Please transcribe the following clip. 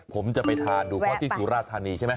ผมจะไปทานดูเพราะที่สุราธานีใช่ไหม